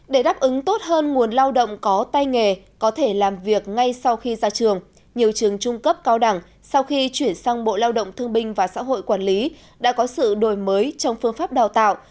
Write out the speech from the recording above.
để đáp ứng tốt hơn nguồn lao động có tay nghề có thể làm việc ngay sau khi ra trường nhiều trường trung cấp cao đẳng sau khi chuyển sang bộ lao động thương binh và xã hội quản lý đã có sự đổi mới trong phương pháp đào tạo